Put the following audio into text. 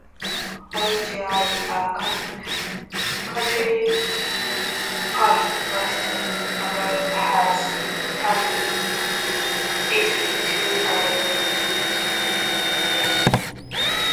Originally a Country Party bastion, urbanisation has turned it into a Liberal stronghold.